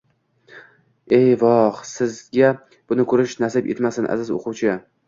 E-voh! Sizga buni ko‘rish nasib etmasin, aziz o‘quvchi!